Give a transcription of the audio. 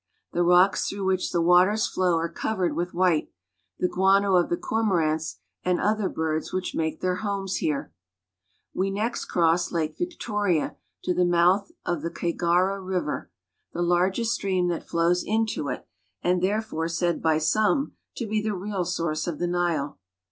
The rocks through which the waters flow are covered with white, the guano of the cormorants and other birds which make their homes here. We next cross Lake Victoria to the mouth of the Kagera (ka ga'ra) River, the largest stream that flows into it and therefore said by some to be the real source of the Nile.